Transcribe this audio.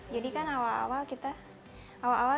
jadi kan awal awal kita